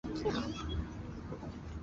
什里夫波特。